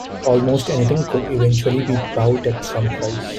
Almost anything could eventually be bought at some price.